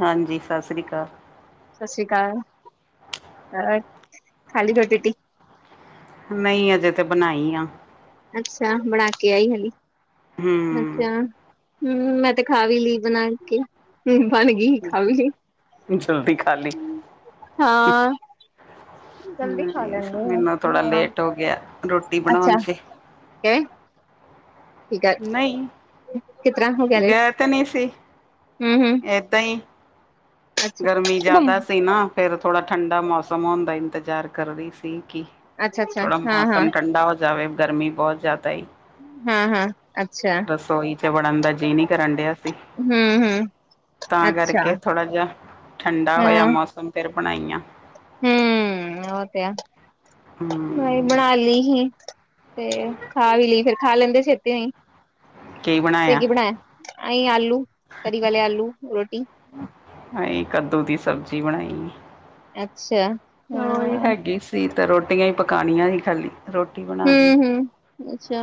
ਹਾਂਜੀ ਸਸ ਸ਼੍ਰੀ ਕਾਲ। ਸਸ ਸ਼੍ਰੀ ਕਾਲ ਹੋਰ ਖਾਲੀ ਰੋਟੀ-ਰੁਟੀ? ਨਈ ਅਜੇ ਤਾਂ ਬਣਾਈ ਆ। ਅੱਛਾ ਬਣਾ ਕੇ ਆਈ ਹੁਣੀ ਹੂੰ ਅੱਛਾ। ਹੂੰ ਮੈਂ ਤੇ ਖਾ ਵੀ ਲਈ ਬਣਾ ਕੇ ਹੂੰ ਬਣ ਗੀ ਖਾ ਵੀ ਲੀ। ਤੂੰ ਜਲਦੀ ਖਾ ਲੀ? ਹਾਂ ਜਲਦੀ ਹੂੰ ਖਾ ਲੈਂਦੇ ਮੈਨੂੰ ਥੋੜਾ ਹਾਂ ਲੇਟ ਹੋ ਗਿਆ ਰੋਟੀ ਬਣਾਉਣ ਅੱਛਾ ਚ। ਠੀਕ ਹੈ ਠੀਕ ਐ, ਨਹੀਂ ਕਿਸ ਤਰ੍ਹਾਂ ਹੋ ਗਿਆ ਲੇਟ? ਹੂੰ ਹੂੰ। ਐਦਾਂ ਈ। ਗਰਮੀ ਜ਼ਿਆਦਾ ਸੀ ਨਾ ਫੇਰ ਥੋੜਾ ਠੰਡਾ ਮੌਸਮ ਹੁੰਦਾ ਇੰਤਜ਼ਾਰ ਕਰ ਰਹੀ ਸੀ ਕੀ ਅੱਛਾ ਅੱਛਾ ਥੋੜਾ ਹਾਂ ਹਾਂ ਮੌਸਮ ਠੰਡਾ ਹੋ ਜਾਵੇ ਗਰਮੀ ਬਹੁਤ ਜ਼ਿਆਦਾ ਏ। ਹੂੰ ਹੂੰ ਅੱਛਾ। ਰਸੋਈ ਚ ਵੜਨ ਦਾ ਜੀ ਨੀ ਕਰਨ ਡਯਾ ਸੀ। ਹੂੰ-ਹੂੰ। ਤਾਂ ਕਰਕੇ ਥੋੜਾ ਜੇਹਾ ਠੰਡਾ ਹੋਯਾ ਮੌਸਮ ਫੇਰ ਬਣਾਈਆਂ। ਹੂੰ ਓ ਤੇ ਐ। ਹੂੰ। ਬਣਾ ਲੀ ਹੀ ਤੇ ਖਾ ਵੀ ਲੀ ਫੇਰ ਖਾ ਲੈਂਦੇ ਛੇਤੀਓ‌ ਈ। ਕੀ ਤੇ ਬਣਾਇਆ ਕੀ ਬਣਾਯਾ ਅਹੀ ਆਲੂ ਤਰੀ ਵਾਲੇ ਆਲੂ ਰੋਟੀ। ਅਹੀ ਕੱਦੂ ਦੀ ਸਬਜ਼ੀ ਬਣਾਈ। ਅੱਛਾ ਓਈ ਹਾਂ ਹੈਗੀ ਸੀ, ਤੇ ਰੋਟੀਆਂ ਈ ਪਕਾਨੀਆਂ ਨੀ ਖਾਲੀ ਰੋ ਹੂੰ-ਹੂੰ ਅੱਛਾ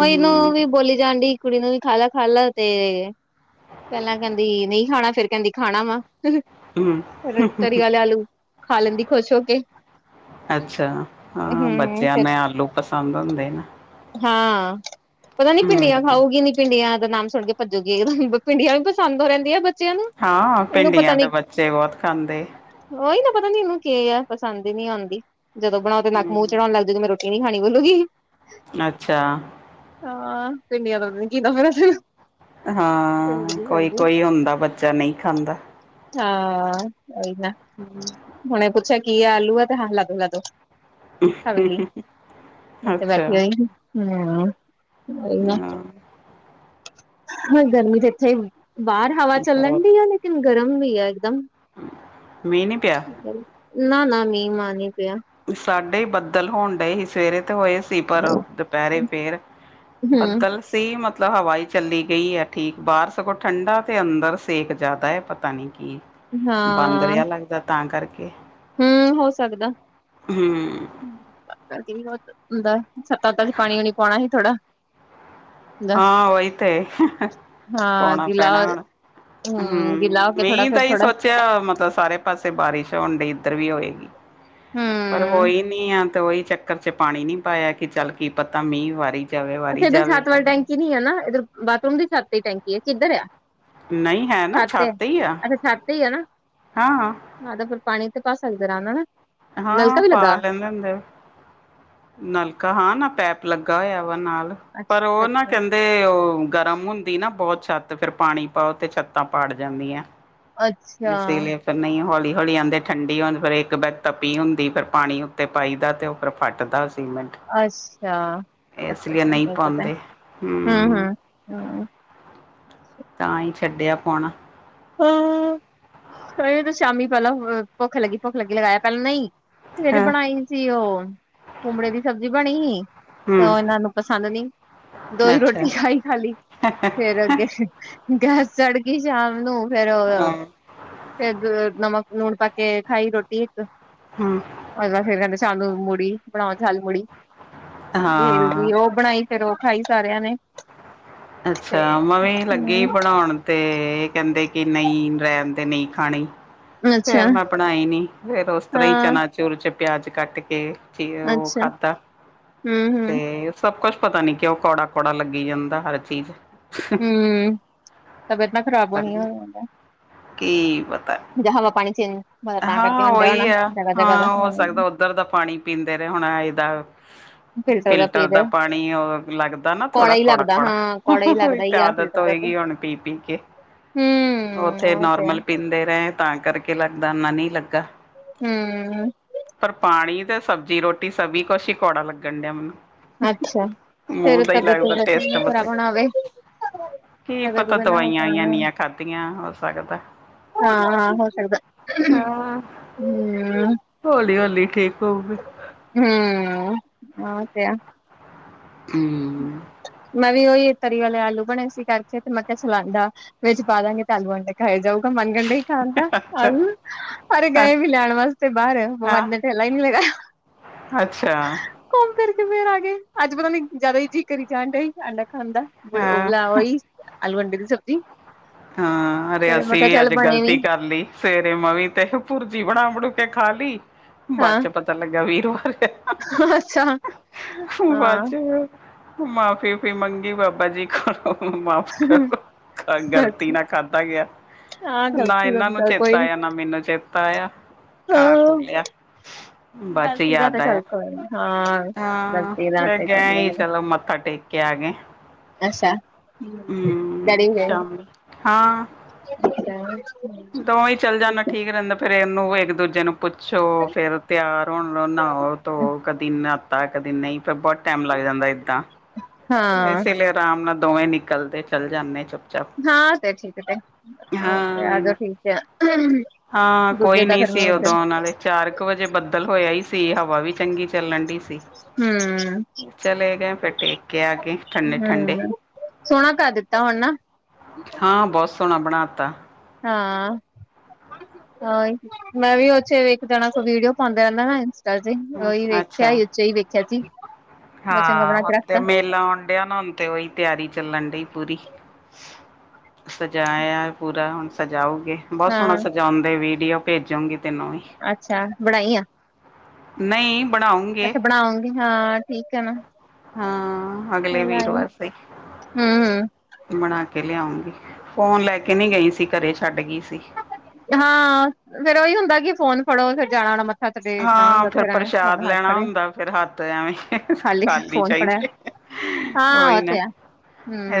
ਓਈ ਨੂੰ ਓਵੀ ਹੂੰ ਬੋਲੀ ਜਾਂਡੀ ਕੁੜੀ ਨੂੰ ਵੀ ਖਾਲਾ-ਖਾਲਾ ਤੇ ਪੈਲਾਂ ਕੈਂਦੀ ਨਈ ਖਾਣਾ ਫੇਰ ਕੈਂਦੀ ਖਾਣਾ ਵਾ। ਹੂੰ ਫੇਰ ਤਰੀ ਆਲੇ ਆਲੂ ਖਾ ਲੈਂਦੀ ਖੋਸ਼ ਹੋ ਕੇ ਅੱਛਾ ਹਾਂ ਹੂੰ ਬੱਚਿਆਂ ਫਿਰ ਨੇ ਆਲੂ ਪਸੰਦ ਹੁੰਦੇ ਨੇ। ਹਾਂ, ਪਤਾ ਨੀ ਪਿੰਡੀਆਂ ਹੂੰ ਖਾਊਗੀ ਨੀ ਪਿੰਡੀਆਂ ਦਾ ਨਾਮ ਸੁਣ ਕੇ ਪਜੂਗੀ, ਪਿੰਡੀਆਂ ਵੀ ਪਸੰਦ ਓ ਰਹਿੰਦੀਆਂ ਬਟ ਹਾਂ ਪਿੰਡੀਆਂ ਤੇ ਬੱਚੇ ਬੋਹਤ ਖਾਂਦੇ। ਓਈ ਨਾ ਪਤਾ ਨੀ ਏਨੂੰ ਕੇ ਆ ਪਸੰਦ ਈ ਨੀ ਆਦੀ ਜਦੋਂ ਬਣਾਓ ਤੇ ਨੱਕ-ਮੂੰਹ ਹੂੰ ਚੜਾਓਣ ਲੱਗ ਜੂਗੀ ਆਈ ਮੈ ਰੋਟੀ ਰੋਟੀ ਖਾਣੀ ਬੋਲੂਗੀ ਅੱਛਾ। ਹਾਂ ਪਿੰਡੀਆਂ ਤੋਂ ਪਤਾ ਨੀ ਕਿ ਨਫ਼ਰਤ ਏ ਹਾਂ ਕੋਈ-ਕੋਈ ਹੁੰਦਾ ਬੱਚਾ ਨਈ ਖਾਂਦਾ! ਹਾਂ ਓਈ ਨਾ। ਹਮ। ਹੁਣੇ ਪੁੱਛਿਆ ਕੀ ਐ ਆਲੂ ਐ ਤੇ ਹਾਂ ਲਾਦੋ-ਲਾਦੋ। ਹੂੰ ਹਹ- ਤੇ ਬਾਕੀ ਓਈ ਨਾ ਹਾਂ ਓਈ ਨਾ- ਹਾਂ ਹੁਣ ਗਰਮੀ ਤੇ ਇੱਥੇ ਬਾਰ ਹਵਾ ਚੱਲਣ ਬਹੁਤ ਡੀਆ ਨੇ ਕਨ ਗਰਮ ਵੀ ਐ ਇੱਕਦਮ ਮੀ ਨੀ ਪਯਾ? ਨਾ-ਨਾ ਮੀਂਹ-ਮਾ ਨੀ ਪਯਾ। ਸਾਡੇ ਈ ਬੱਦਲ ਹੋਣ ਡਏ ਸੀ ਸਵੇਰੇ ਤੇ ਏਸ ਸੀ, ਪਰ ਦਪੈਰੇ ਫੇਰ ਹਮ ਬੱਦਲ ਸੀ ਮਤਲਬ ਹਵਾ ਈ ਚੱਲੀ ਗਈ ਐ ਠੀਕ ਬਾਹਰ ਸਗੋਂ ਠੰਢਾ, ਤੇ ਅੰਦਰ ਸੇਕ ਜ਼ਿਆਦਾ ਏ, ਪਤਾ ਨੀ ਕੀ ਬੰਦ ਰੇਆ ਲੱਗਦਾ ਤਾਂ ਕਾਰਕੇ ਹੂੰ ਹੋ ਸਕਦਾ। ਹੂੰ। ਪਤਾ [unintelligible] ਹੁੰਦਾ ਛੱਤਾ ਤਕ ਪਾਣੀ-ਵਾਣੀ ਪਵਾਣਾ ਸੀ ਥੋੜਾ ਹਾਂ, ਓਈ ਤੇ ਹਾਂ ਪਵਾਣਾ ਗਿੱਲਾ ਪੈਣਾ ਹੁਣ ਹਮ ਹੂੰ ਗਿੱਲਾ ਹੋ ਕੇ ਥੋੜਾ ਮੀਹ ਫੇਰ ਤਾਂ ਏਈ ਥੋੜਾ ਸੋਚ ਚ ਮਤਲਬ ਸਾਰੇ ਪਾਸੇ ਬਾਰਿਸ਼ ਹੋਣ ਡਈ ਇਧਰ ਵੀ ਹੋਈ ਤੇ ਪਰ ਹਮ ਹੋਈ ਨੀ ਆ ਤੇ ਓਈ ਚੱਕਰ ਚ ਪਾਨੀ ਨੀ ਪਾਯਾ, ਕਿ ਚੱਲ ਕੀ ਪਤਾ ਮੀਂਹ ਵਾਰੀ ਜਾਵੇ ਅੱਛਾ ਵਾਰੀ ਇੱਧਰ ਜਾਵੇ ਛਤ ਪਰ ਵਾਲੀ ਟੈਂਕੀ ਨੀ ਐ ਨਾ ਇੱਧਰ ਬਾਥਰੂਮ ਦੀ ਛਤ ਤੇ ਈ ਟੈਂਕੀ ਐ ਕਿੱਧਰ ਆ? ਨਹੀਂ ਹੈ ਨਾ ਛੱਤ, ਹੀ ਆ ਅੱਛਾ ਛੱਤ ਤੇ ਈ ਐ ਨਾ ਹਾਂ ਹਾਂ ਤੇ ਫਿਰ ਪਾਨੀ ਤੇ ਪਾ ਸਕਦੇ ਅਰਾਮ ਨਾਲ ਨਾ ਹਾਂ ਪਾ ਲੈਂਦੇ ਹੁੰਦੇ ਓ ਨਲਕਾ ਹਾਂ ਨਾ ਪੈਪ ਲੱਗਾ ਹੋਇਆ ਵਾ ਨਾਲ ਪਰ ਅੱਛਾ ਓ ਨਾ ਅੱਛਾ ਕੈਨ ਤੇ ਓ ਗਰਮ ਹੁੰਦੀ ਨਾ ਬੋਤ ਛੱਤ ਫੇਰ ਪਾਣੀ ਪਾਓ ਤੇ ਛੱਤਾਂ ਪਾੜ ਜਾਂਦੀਆਂ। ਅੱਛਾ ਏਸੇ ਲਈ ਫਿਰ ਨਈ ਹੌਲੀ-ਹੌਲੀ ਆਦੇ ਠੰਡੀ ਹ ਫਿਰ ਇੱਕ ਬੈ ਤਪੀ ਹੁੰਦੀ ਫਿਰ ਪਾਣੀ ਉੱਤੇ ਪਾਈ ਦਾ ਤੇ ਓ ਫਿਰ ਫੱਟ ਦਾ ਸੀਮੈਂਟ ਇਸ ਲਈ ਅੱਛਾ-ਅੱਛਾ-ਅੱਛਾ ਨਹੀਂ ਨਈ ਪਤਾ ਐ ਪਾਉਂਦੇ ਹੂੰ ਹੂੰ ਹ ਤਾਂ ਈ ਛੱਡਿਆ ਪੋਣਾ ਹਾਂ ਅਜੇ ਤੇ ਸ਼ਾਮੀ ਪੈਲਾਂ ਭੁੱਖ ਲੱਗੀ, ਭੁੱਖ ਲੱਗੀ ਲਗਾਇਆ ਪੈਲਾਂ ਨਈ ਸਵੇਰੇ ਹਾਂ। ਬਣਾਈ ਸੀ ਓ ਕੁਮੜੇ ਦੀ ਸਬਜ਼ੀ ਬਣੀ ਹੀ ਤੋ ਹੂੰ ਓ ਐਨਾਂ ਨੂੰ ਪਸੰਦ ਨੀ ਦੋ ਈ ਰੋਟੀ ਅੱਛਾ ਖਾਈ ਖਾਲੀ ਫੇਰ ਅੱਗੇ ਗੈਸ ਚੜਗੀ ਸ਼ਾਮ ਨੂੰ ਫੇਰ ਓ ਹਾਂ ਫੇਰ ਨਮਕ ਨੂਨ ਪਾ ਕੇ ਖਾਈ ਰੋਟੀ ਇੱਕ। ਹੂੰ ਅੱਜ ਤਾਂ ਫੇਰ ਕੈਦੇ ਸ਼ਾਮ ਨੂੰ ਮੁੜੀ ਬਣਾਓ [unintelligible] ਮੁੜੀ ਹਾਂ। [unintelligible] ਓ। ਬਣਾਈ ਫੇਰ ਓ ਖਾਈ ਸਾਰਿਆਂ ਨੇ। ਤੇ ਅੱਛਾ ਮਾ ਵੀ ਲੱਗੀ ਹੂੰ ਬਣੌਨ। ਤੇ ਏ ਕੈਦੇ ਕਿ ਨਈ ਰਹਿਣ ਦੇ ਨਈ ਖਾਣੀ। ਅੱਛਾ ਫੇਰ ਮੈਂ ਬਣਾਈ ਨੀ ਫੇਰ ਉਸ ਤਰ੍ਹਾਂ ਈ ਹਾਂ ਚਨਾ ਚੁਰ ਚ ਪਿਆਜ਼ ਕੱਟ ਕੇ। ਫੇਰ ਓ ਅੱਛਾ ਖਾਦਾ ਹੂੰ-ਹੂੰ ਤੇ ਸਭ ਕੁਛ ਪਤਾ ਨੀ ਕਿਉਂ ਕੌੜਾ-ਕੌੜਾ ਲੱਗੀ ਜਾਂਦਾ ਹਰ ਚੀਜ਼। ਹੂੰ ਤਬੀਅਤ ਨਾ ਖ਼ਰਾਬ ਹੋਣੀ ਹੋ ਤੁਹਾਨੂੰ ਜਾਂਦਾ। ਕੀ ਪਤਾ। ਜਾਂ ਹਵਾ, ਪਾਣੀ ਚੇਂਜ ਤਾਂ ਕਰਕੇ ਹਾਂ ਹੋਣ ਡਿਆ ਹੋਣਾ ਜਗ੍ਹਾ-ਜਗ੍ਹਾ ਦਾ ਹੂੰ। ਓਧਰ ਦਾ ਪਾਣੀ ਪੀਂਦੇ ਰਏ ਹੁਣ ਏ ਦਾ। ਫਿਲਟਰ ਦਾ ਪਾਣੀ ਓ ਲੱਗਦਾ ਨਾ ਕੌੜਾ ਥੋੜਾ ਹੀ ਲੱਗਦਾ ਕੌੜਾ-ਕੌੜਾ ਹਾਂ ਕੌੜਾ ਹੀ ਉਈ ਲੱਗਦਾ ਤੇ ਹੀ ਆ ਆਦ ਤ ਫਿਲਟਰ ਦਾ ਤੇ ਹੋਏਗੀ ਹੁਣ ਪੀ-ਪੀ ਕੇ ਹੂੰ ਉੱਥੇ ਉਹ ਤੇ ਹੈ ਨੋਰਮਲ ਪੀਂਦੇ ਰਏ ਤਾਂ ਕਰ ਕੇ ਲੱਗਦਾ ਮਨ ਨੀ ਲੱਗਾ। ਹੂੰ! ਪਰ ਪਾਣੀ ਤੇ ਸਬਜ਼ੀ ਰੋਟੀ ਸਭੀ ਕੁਛ ਈ ਕੌੜਾ ਲੱਗਣ ਡਿਆ ਮੈਨੂੰ। ਅੱਛਾ ਮੂੰਹ ਫੇਰ ਦਾ ਈ ਲਗਦਾ ਤਬੀਅਤ ਟੇਸਟ ਖ਼ਰਾਬ ਬਦਲਿਆ। ਹੋਣਾ ਹੋਵੇ ਕੀ ਪਤਾ ਦਵਾਈਆਂ ਈ ਤਬੀਅਤ ਏਨੀਆਂ ਖਾਦੀਆਂ ਹੋ ਸਕਦਾ। ਹਾਂ-ਹਾਂ ਹੋ ਸਕਦਾ। ਹਾਂ ਹੂੰ ਹੌਲੀ-ਹੌਲੀ ਠੀਕ ਹੋਊਗਾ। ਹੂੰ ਓ ਤੇ ਐ। ਹੂੰ! ਮੈਂ ਵੀ ਓ ਈ ਤਰੀ ਵਾਲੇ ਆਲੂ ਬਣੇ ਸੀ ਕਰਕੇ ਤੇ ਮੈਂ ਕਿਆ ਚਲ ਆਂਡਾ। ਵਿੱਚ ਪਾ ਦਾਂਗੇ ਤਾਂ ਆਲੂ ਆਂਡੇ ਖਾਏ ਜਾਊਗਾ ਮੰਗਣ ਡੇ। ਕੈਦਾ ਅੱਛਾ ਆਲੂ ਅਰੇ ਹਾਂ ਗਏ ਵੀ ਲਿਆਣ ਵਾਸਤੇ ਬਾਰ [unintelligible] ਨੇ ਥੈਲਾ ਈ ਨੀ ਲੈ ਗਿਆ ਅੱਛਾ! ਘੁੰਮ ਫਿਰਕੇ ਫੇਰ ਆਗੇ ਅੱਜ ਪਤਾ ਨੀ ਜ਼ਾਦਾ ਈ ਜੀਅ ਕਰੀ ਜਾਣ ਡਿਆ ਸੀ ਆਂਡਾ ਖਾਣ ਦਾ। ਫੇਰ ਹਾਂ ਉਬਲਾਓ ਵੀ ਆਲੂ ਆਂਡੇ ਦੀ ਸਬਜ਼ੀ। ਹਾਂ! ਅਰੇ ਤੇ ਮੈਂ ਅਸੀਂ ਕਿਹਾ ਵੀ ਚੱਲ ਅੱਜ ਬਣੇ ਵੀ ਗ਼ਲਤੀ ਕਰ ਲੀ ਸਵੇਰੇ ਮਵੀ ਤੇ ਭੁਰਜੀ ਬਣਾ ਬਣੂ ਕੇ ਖਾ ਲਈ ਬਾਅਦ ਹਾਂ ਚ ਪਤਾ ਲੱਗਿਆ ਵੀਰਵਾਰ ਏ। ਅੱਛਾ ਹਾਂ ਬਾਅਦ ਚ ਮਾਫ਼ੀਫ਼ੀ ਮੰਗੀ ਬਾਬਾ ਜੀ ਕੋਲੋਂ, ਮਾਫ਼ ਕਰਦੋ ਗ਼ਲਤੀ ਟੀ ਅੱਛਾ ਨਾਲ ਖਾਧਾ ਗਿਆ, ਹਾਂ ਨਾ ਗ਼ਲਤੀ ਦਾ ਇਹਨਾਂ ਤਾਂ ਨੂੰ ਚੱਲ ਚੇਤਾ ਕੋਈ ਨੀ ਆਇਆਂ, ਨਾ ਮੈਨੂੰ ਚੇਤਾ ਆਇਆਂ। ਖਾ ਹਾਂ ਖੁ ਲਿਆ। ਬਾਅਦ ਚ ਯਾਦ ਆਇਆ। ਹਾਂ ਫੇਰ ਗਏ ਹੀ ਚਲੋ ਮੱਥਾ ਟੇਕ ਕੇ ਆ ਗਏ, ਹੂੰ ਸ਼ਾਮੀ ਹਾਂ। ਅੱਛਾ। ਦੋਵੇਂ ਹੀ ਚੱਲ ਜਾਂਦਾ ਠੀਕ ਰਹਿੰਦਾ ਫੇਰ ਇਹਨੂੰ ਇੱਕ- ਦੂਜੇ ਨੂੰ ਪੁੱਛੋ ਫੇਰ ਤਿਆਰ ਹੋਣ ਨਹਾਓ ਧੋ ਕਦੀ ਨਾਤਾ ਕਦੇ ਨਹੀਂ ਫੇਰ ਬਹੁਤ ਟਾਈਮ ਲੱਗ ਜਾਂਦਾ ਇੱਦਾਂ। ਹਾਂ ਇਸੇ ਲਈ ਆਰਾਮ ਨਾਲ ਦੋਵੇਂ ਨਿਕਲਦੇ ਚੱਲ ਜਾਣੇ ਚੁੱਪ ਚਾਪ ਹਾਂ ਤੇ ਠੀਕ ਏ ਤੇ ਹਾਂ ਇਹ ਓਕੇ ਨਾ ਠੀਕ ਹੈ। ਹਾਂ ਦੂਜੇ ਕੋਈ ਦਾ ਨਹੀਂ ਫੇਰ ਮੂੰਹ ਸੀ ਉਦੋਂ ਉੱਧਰ। ਨਾਲੇ ਚਾਰ ਕੁ ਵਜੇ ਬੱਦਲ ਹੋਇਆ ਹੀ ਸੀ, ਹਵਾ ਵੀ ਚੰਗੀ ਚੱਲਣ ਡੀ ਸੀ। ਹਮ। ਚਲੇ ਗਏ ਫੇਰ ਟੇਕ ਕੇ ਆਗੇ। ਹਮ ਸੋਹਣਾ ਕਰ ਦਿੱਤਾ ਹੁਣ ਨਾ। ਹਾਂ, ਬਹੁਤ ਸੋਹਣਾ ਬਣਾ ਤਾਂ। ਹਾਂ। ਹਾਂ ਮੈਂ ਵੀ ਉਥੇ ਵੇਖ ਜਾਣਾ ਕੋ ਵੀਡੀਓ ਪਾਉਂਦੇ ਰਹਿੰਦਾ ਅਜੀ ਓਹੀ ਵੇਖਿਆ ਅੱਛਾ ਹੀ ਉੱਚੇ ਹੀ ਵੇਖਿਆ ਸੀ, ਮ ਚੰਗਾ ਬਣਾ ਕੇ ਰੱਖਦਾ। ਕਿਆ ਹੁਣ ਤੇ ਉਹੀ ਤਿਆਰੀ ਚੱਲਣ ਡਈ ਪੂਰੀ। ਸਜਾਇਆ ਪੂਰਾ, ਹੁਣ ਸਜਾਓਗੇ, ਬਹੁਤ ਸੋਹਣਾ ਹਾਂ ਸਜਾਉਂਦੇ। ਵੀਡੀਓ ਭੇਜੋਂਗੀ ਤੈਨੂੰ ਵੀ। ਅੱਛਾ ਬਣਾਈ ਆ। ਨਹੀਂ ਬਣਾਉਂਗੇ ਅੱਛਾ ਬਣਾਉਗੀ ਹਾਂ ਠੀਕ ਆ। ਹਾਂ ਅਗਲੇ ਵੀਰਵਾਰ ਸਹੀ ਹਮ-ਹਮ। ਬਣਾ ਕੇ ਲਿਆਉਗੀ, ਫੋਨ ਲੈ ਕੇ ਨਹੀਂ ਗਈ ਸੀ। ਘਰੇ ਛੱਡ ਗਈ ਸੀ। ਹਾਂ, ਫੇਰ ਉਹੀ ਹੁੰਦਾ ਕਿ ਫੋਨ ਫੜੋ ਫੇਰ ਜਾਣਾ ਹੋਣਾ ਸੈਟਰਡੇ ਨਾ ਹਾਂ ਹੁੰਦਾ ਤੇ ਫਿਰ ਐ ਫੋਨ ਪ੍ਰਸ਼ਾਦ ਹੱਥ ਲੈਣਾ ਫੜੇ ਹੁੰਦਾ ਫਿਰ ਹੱਥ ਐਵੇਂ ਖਾਲੀ ਫੋਨ ਫੜਿਆ। ਚਾਹੀਦੇ ਹਾਂ ਆ ਉਹੀ ਨਾ ਤੇ ਹੈ।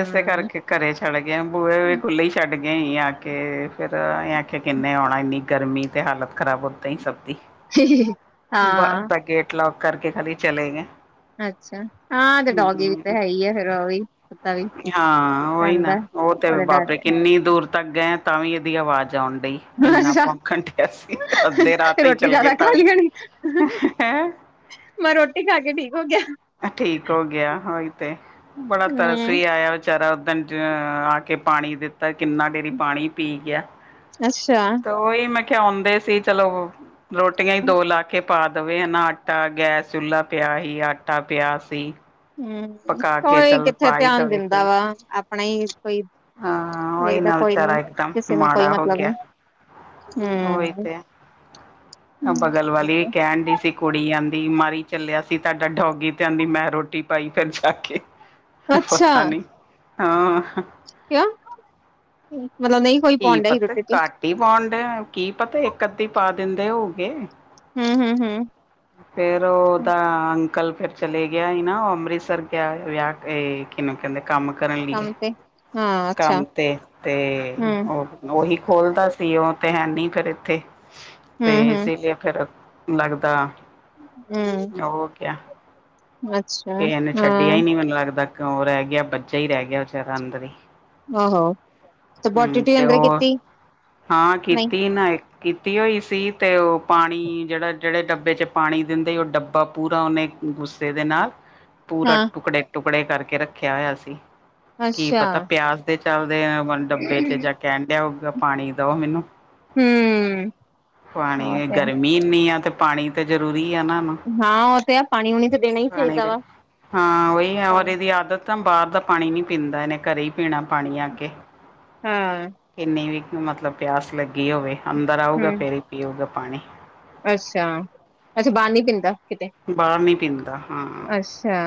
ਇਸੇ ਕਰਕੇ ਘਰੇ ਛੱਡ ਗਏ ਬੂਹੇ ਖੁੱਲ੍ਹੇ ਵੀ ਛੱਡ ਕੇ ਆਈ ਆ ਕੇ, ਫਿਰ ਅਸੀਂ ਆਖਿਆ ਕਿੰਨੇ ਆਉਣਾ ਇੰਨੀ ਗਰਮੀ ਤੇ ਹਾਲਤ ਖਰਾਬ ਓਦਾਂ ਹੀ ਸਭ ਦੀ। [inaudible] ਬ ਤਾਂ ਗੇਟ ਲੋਕ ਕਰਕੇ ਕਦੇ ਚਲੇ ਗਏ। ਅੱਛਾ ਹਾਂ ਤੇ ਡੋਗੀ ਵੀ ਤਾਂ ਹੂੰ ਹੈ ਹੀ ਆ, ਫਿਰ ਉਹ ਵੀ ਕੁੱਤਾ ਵੀ ਹਾਂ ਉਹੀ ਪੈਂਦਾ ਨਾ ਏ। ਉਹ ਤੇ ਵਾਪਰੇ ਕਿੰਨੀ ਦੂਰ ਤਾਂ ਗਏ ਤਾਂ ਵੀ ਇਹਦੀ ਆਵਾਜ਼ ਆਉਣ ਡਈ, ਇੰਨਾ ਅੱਛਾ ਪੌਖਣ ਡਿਆ ਸੀ ਅੱਧੇ ਰਾਹ ਤਈ ਰੋਟੀ ਚੱਲ ਗਏ। ਜਿਆਦਾ ਖਾ ਤਾਵੀ ਲਈ ਹੋਣੀ ਹੈ। ਮੈਂ ਰੋਟੀ ਖਾ ਕੇ ਠੀਕ ਹੋ ਗਿਆ ਠੀਕ ਹੋ ਗਿਆ, ਉਹੀ ਤੇ ਬੜਾ ਤਰਸ ਹਮ ਵੀ ਆਇਆ ਵਿਚਾਰਾ ਉਦਣ ਆ ਕੇ ਪਾਣੀ ਦਿੱਤਾ। ਤਾਂ ਕਿੰਨਾ ਡੇਰੀ ਪਾਣੀ ਪੀ ਗਿਆ। ਅੱਛਾ ਤਾਂ ਉਹੀ ਮੈਂ ਕਿਹਾ ਆਉਂਦੇ ਸੀ ਚਲੋ ਟੀਆਂ ਹੀ ਦੋ ਲਾ ਕੇ ਪਾ ਦੇਵੇ, ਈਨਾ ਆਟਾ, ਗੈਸ, ਚੁੱਲ੍ਹਾ ਪਿਆ ਸੀ, ਆਟਾ ਪਿਆ ਸੀ। ਹਮ-ਹਮ ਪਕਾ ਕੇ ਕੋਈ ਚੱਲ ਕਿੱਥੇ ਪਾ ਹੀ ਧਿਆਨ ਦੇਵੇ ਦਿੰਦਾ ਕੋਈ ਵਾ ਆਪਣਾ ਹੀ ਕੋਈ ਹਾਂ ਉਹੀ ਵੇਖਦਾ ਨਾ ਕੋਈ ਨੀ, ਵਿਚਾਰਾ ਇਕਦਮ ਕਿਸੇ ਨੂੰ ਕੋਈ ਮਾੜਾ ਹੋ ਮਤਲਬ ਗਿਆ ਨੀ। ਹੂੰ। ਹਾ, ਬਗਲ ਵਾਲੀ ਕੈਂਨ ਡੀ ਸੀ। ਕੁੜੀ ਆਂਦੀ, ਮਰ ਈ ਚੱਲਿਆ ਸੀ ਤੁਹਾਡਾ ਡੌਗੀ, 'ਤੇ ਆਂਦੀ, ਮੈਂ ਰੋਟੀ ਪਾਈ ਫਿਰ ਜਾ ਕੇ। ਪਤਾ ਨੀ, ਹਾਂ। ਕਿਉਂ, ਮਤਲਬ ਨਈਂ ਕੋਈ ਪੌਣ ਡੇਆ ਸੀ ਰੋਟੀ 'ਤੇ। ਟੀ ਪਾਉਣ ਡੇਆ, ਕੀ ਪਤਾ ਇੱਕ ਅੱਧੀ ਪਾ ਦਿੰਦੇ ਹੋਗੇ। ਹੂੰ-ਹੂੰ-ਹੂੰ। ਫੇਰ ਓਦਾ ਅੰਕਲ ਫੇਰ ਚਲੇ ਗਿਆ ਈ ਨਾ, ਉਹ ਅੰਮ੍ਰਿਤਸਰ ਗਿਆ ਵਿਆਹ 'ਤੇ, ਕਿਨੂੰ ਕੈਂਦੇ? ਕੰਮ ਕਰਨ ਲਈ ਏ, ਕੰਮ 'ਤੇ- 'ਤੇ। ਓਹੀ ਖੋਲਦਾ ਸੀ ਉਹ 'ਤੇ ਹੈਨੀ ਫੇਰ ਇੱਥੇ, 'ਤੇ ਏਸੇ ਲਈ ਫੇਰ ਲੱਗਦਾ। ਹੂੰ। ਔਰ ਕਿਆ? ਅੱਛਾ। ਕਿਹਨੇ ਛੱਡਿਆ ਈ ਨੀ, ਮੈਨੂੰ ਲੱਗਦੈ, ਕਿਉਂ ਰੈਅ ਗਿਆ? ਬੱਚਾ ਈ ਰੈਅ ਗਿਆ ਵਿਚਾਰਾ ਅੰਦਰ ਈ। ਹੂੰ, 'ਤੇ ਓ, ਹਾਂ ਕੀਤੀ ਏ ਨਾ ਇੱਕ ਕੀਤੀ ਹੋਈ ਸੀ, 'ਤੇ ਉਹ ਪਾਨੀ ਜੇਹੜਾ ਜੇੜੇ ਡੱਬੇ 'ਚ ਪਾਨੀ ਦਿੰਦੇ, ਉਹ ਡੱਬਾ ਪੂਰਾ ਉਨੇ ਗੁੱਸੇ ਦੇ ਨਾਲ ਪੂਰਾ ਟੁਕੜੇ- ਟੁਕੜੇ ਕਰਕੇ ਰੱਖਿਆ ਹੋਇਆ ਸੀ। ਕੀ ਅੱਛਾ ਪਤਾ, ਪਿਆਸ ਦੇ ਚਲਦੇ ਆ ਡੱਬੇ 'ਚ ਜਾਂ ਕੈਂਨ ਡੇਆ ਹੋਊਗਾ, ਪਾਨੀ ਦਓ ਮੈਨੂੰ। ਹੂੰ ਉਹ ਪਾਨੀ, ਤੇ ਆ ਗਰਮੀ ਇੰਨੀ ਆ, 'ਤੇ ਪਾਣੀ ਤਾਂ ਜਰੂਰੀ ਆ ਨਾ। ਹਾਂ, ਉਹ ਤੇ ਆ, ਪਾਨੀ ਉਨੀ ਤੇ ਪੀਨਾ ਈ ਪਾਣੀ ਫਿਰ। ਚਾਈਦਾ। ਹਾਂ, ਓਈ ਐ, ਔਰ ਏਦੀ ਆਦਤ ਤਾਂ ਬਾਰ ਦਾ ਪਾਨੀ ਨੀ ਪੀਂਦਾ, ਏਨੇ ਘਰੇ ਈ। ਪੀਨਾ ਪਾਨੀ ਆ ਕੇ, ਹਾਂ ਕਿੰਨੀ ਵੀ ਮਤਲਬ ਪਿਆਸ ਲੱਗੀ ਹੋਵੇ। ਅੰਦਰ ਆਊਗਾ, ਫਿਰ ਈ ਪੀਊਗਾ ਪਾਨੀ। ਅਸ਼ਾ, ਅੱਛਾ, ਬਾਰ ਨੀ ਪੀਂਦਾ ਕਿਤੇ? ਬਾਹਰ ਨੀ ਪੀਂਦਾ, ਹਾਂ। ਅਸ਼ਾ,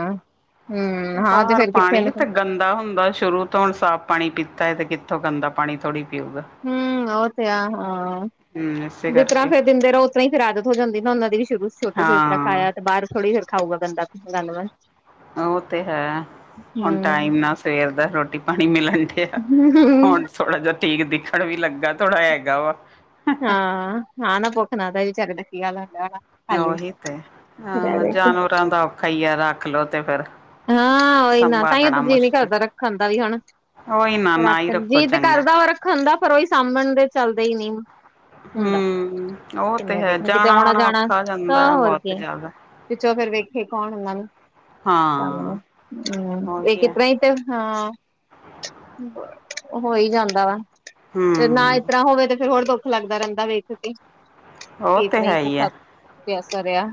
ਹੂੰ, ਹਾਂ 'ਤੇ ਬਾਹਰ ਫੇਰ ਕਿੱਥੇ ਨੇ ਪਾਣੀ ਫਿਰ? ਤੇ ਗੰਦਾ ਹੁੰਦਾ ਸ਼ੁਰੂ ਤੋਂ ਹੁਨ ਸਾਫ਼ ਪਾਨੀ ਪੀਤਾ ਐ, 'ਤੇ ਕਿੱਥੋਂ ਗੰਦਾ ਪਾਨੀ ਥੋੜ੍ਹੀ ਪੀਊਗਾ? ਹੂੰ, ਓ 'ਤੇ ਆ, ਹਾਂ। ਹੂੰ। ਜਿਸ ਤਰ੍ਹਾ ਫਿਰ ਦਿੰਦੇ ਰਓ, ਉਸ ਤਰ੍ਹਾ ਈ ਫਿਰ ਆਦਤ ਹੋ ਜਾਂਦੀ ਨਾ ਉਨਾਂ ਦੀ ਵੀ, ਸ਼ੁਰੂ 'ਚ ਛੋਟੇ ਸੇਬ ਤਰਾਂ ਹਾਂ ਖਾਇਐ ਬਾਰ ਥੋੜ੍ਹੀ ਫਿਰ ਖਾਊਗਾ ਗੰਦਾ। ਧੰਨਵਾਦ। ਓਹ 'ਤੇ ਹੈ, ਹੁਨ ਟਾਈਮ ਨਾਲ ਸਵੇਰ ਦਾ ਰੋਟੀ-ਪਾਨੀ ਮਿਲਨ। ਹੁਨ ਥੋੜਾ ਜੇਆ ਠੀਕ ਦਿਖਨ ਵੀ ਲੱਗਾ, ਥੋੜਾ ਹੈਗਾ ਵਾ। ਹਾਂ-ਹਾਂ, ਨਾ ਭੁੱਖ ਨਾ ਤਾਂ ਵੀ ਚੱਕਦਾ, ਕੀ ਗੱਲ ਆ? 'ਤੇ ਓਹੀ 'ਤੇ, ਹਾਂ ਜਾਨਵਰਾਂ ਦਾ ਔਖਾ ਈ ਐ, ਰੱਖ ਲੋੋ 'ਤੇ ਫੇਰ। ਹਾਂ, ਓਹੀ ਨਾ, ਤਾਂਈਓ ਸੰਭਾਲਣਾ 'ਤੇ ਜੀਅ ਨੀ ਮੁਸ਼ਕਿਲ ਕਰਦਾ ਰੱਖਨ ਦਾ ਵੀ ਹੁਨ। ਉਹੀ ਨਾ ਨਾ ਹੀ ਰੱਖਨ ਰੱਖੋ ਜੀਅ 'ਤੇ ਚੰਗਾ ਕਰਦਾ ਉਹ ਰੱਖਨ ਦਾ, ਪਰ ਓਹੀ ਸਾਂਭਣ ਦੇ ਚਲਦੇ ਈ ਨੀ। ਹੁੰਦੈ, ਹਮ ਉਹ 'ਤੇ ਮੈਂ ਹੈ ਦੇਖਾਂ ਕਿਤੇ ਜਾਣਾ ਆਉਣਾ ਆਉਣਾ-ਜਾਉਣਾ‌, ਔਖਾ ਤਾਂ ਜਾਂਦਾ ਹੋਰ ਬਹੁਤ ਕੀ। ਜ਼ਿਆਦਾ ਵਿੱਚੋਂ ਫੇਰ ਵੇਖੇ ਕੌਣ ਇਨਾਂ ਨੂੰ? ਤੁਹਾਨੂੰ ਹਾਂ ਹੂੰ, ਉਹੀ ਵੇਖਕੇ ਹੈ ਤਰ੍ਹਾ ਈ। [unintelligible] 'ਤੇ ਹਾਂ, ਹੋ ਈ ਜਾਂਦਾ ਵਾ। ਤੇ ਨਾ, ਹਮ ਇਸ ਤਰਾਂ ਹੋਵੇ 'ਤੇ ਫੇਰ ਹੋਰ ਦੁੱਖ ਲੱਗਦਾ ਰੈਂਦਾ, ਵੇਖ ਕੇ। ਉਹ ਕੇ ਤੇ ਇਤਨਾ ਈ ਹੈ ਹੀ ਹੈ ਭੁੱਖਾ-ਪਿਆਸਾ ਰੇਆ।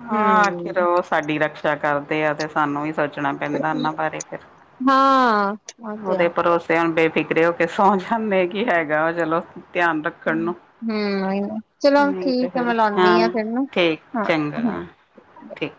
ਹਾਂ, ਆਖਿਰ ਓ ਸਾਡੀ ਰਕਸ਼ਾ ਕਰਦੇ ਆ, ਤੇ ਸਾਨੂੰ ਵੀ ਸੋਚਨਾ ਪੈਂਦਾ ਓਨਾਂ ਬਾਰੇ ਫੇਰ ਹਾਂ ਉਹ ਤੇ ਓਦੇ ਆ ਭਰੋਸੇ ਹੁਨ ਬੇਫਿਕਰੇ ਹੋ ਕੇ ਸੌਂ ਜਾਂਦੇ ਕੀ ਹੈਗਾ ਵਾ, ਚਲੋ ਧੇਆਨ ਰੱਖਣ ਨੂੰ ਹੂੰ ਚਲੋ ਨਈ ਤੇ ਠੀਕ ਹੈ ਫਿਰ, ਮੈਂ ਹਾਂ ਲਾਉਦੀ ਆ ਫਿਰ ਨਾ ਠੀਕ। ਹਾਂ, ਹੂੰ ਚੰਗਾ ਠੀਕ